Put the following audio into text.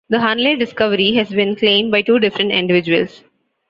The "Hunley" discovery has been claimed by two different individuals.